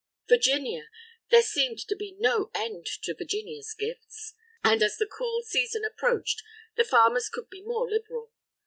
Virginia! there seemed to be no end to Virginia's gifts! And as the cool season approached, the farmers could be more liberal.